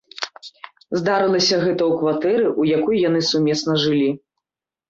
Здарылася гэта ў кватэры, у якой яны сумесна жылі.